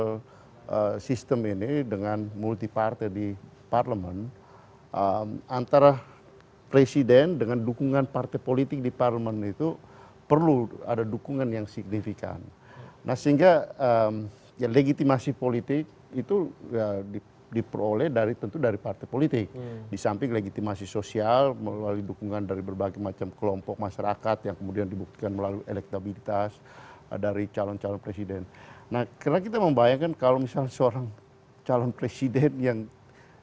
ya di dalam sistem ini dengan multiparty di parlimen antara presiden dengan dukungan partai politik di parlimen perlu ada dukungan yang signifikan nah sehingga legitimasi obat nah itu ya diperoleh dari tentu dari partai politik di samping legitimasi sosial melalui dukungan dari berbagai macam kelompok masyarakat yang kemudian dibuktikan dari kalon kalah presiden nah karena kita membayangkan kalau misalnya ada daerah daerah yang secara books kita bisa mem relatable pada sistem karena kita dikenal hasta ini itu sebenarnya juga banyak ona kita dapat dengan banyak peluang kadang minum api cari berata tidak akan suatu suatu tersebut kebetulan berharga bahwa ada bebas sifat di sagar